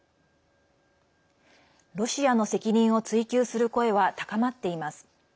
ロシアの責任を追及する声は高まっています。